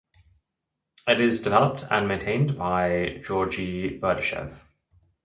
It is developed and maintained by Georgy Berdyshev.